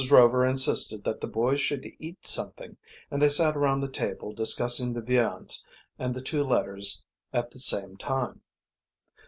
Rover insisted that the boys should eat something, and they sat around the table discussing the viands and the two letters at the same time.